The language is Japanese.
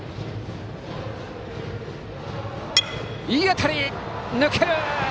いい当たり抜けた。